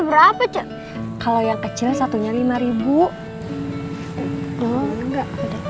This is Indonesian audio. berapa cak kalau yang kecil satunya lima ribu enggak